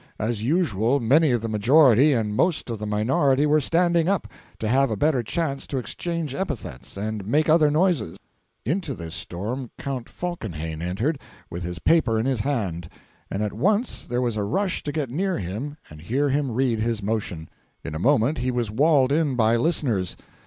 As usual, many of the Majority and the most of the Minority were standing up to have a better chance to exchange epithets and make other noises. Into this storm Count Falkenhayn entered, with his paper in his hand; and at once there was a rush to get near him and hear him read his motion. In a moment he was walled in by listeners.